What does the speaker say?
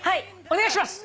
お願いします。